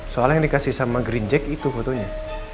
soal yang dikasih sama green jack itu fotonya